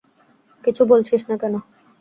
কিছু বলছিস না কেন?